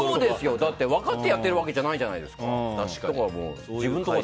だって分かってやってるわけじゃすごいですね。